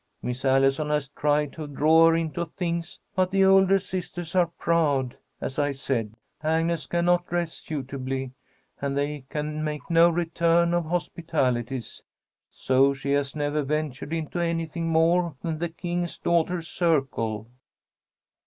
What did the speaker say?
Miss Allison has tried to draw her into things, but the older sisters are proud, as I said. Agnes cannot dress suitably, and they can make no return of hospitalities, so she has never ventured into anything more than the King's Daughters' Circle."